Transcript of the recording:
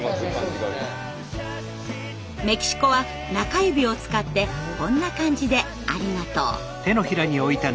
メキシコは中指を使ってこんな感じで「ありがとう」。